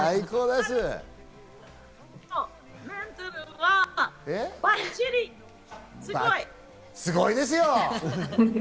すごいですよ。